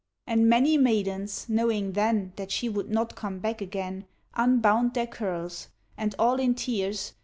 And many maidens, knowing then That she would not come back again. Unbound their curls ; and all in tears.